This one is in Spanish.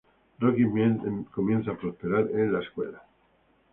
Rocky empieza a prosperar en la escuela.